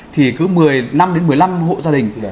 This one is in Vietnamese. thì cứ một mươi năm đến một mươi năm hộ gia đình